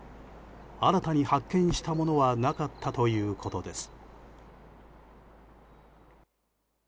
新たに発見したものはなかったということです。